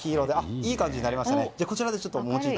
いい感じになりましたね。